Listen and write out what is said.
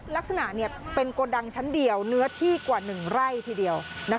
ลักษณะเป็นโกดังชั้นเดียวเนื้อที่กว่า๑ไร่ทีเดียว